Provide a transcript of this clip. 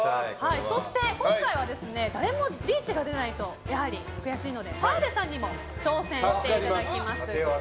そして今回は誰もリーチが出ないとやはり悔しいので澤部さんにも挑戦していただきます。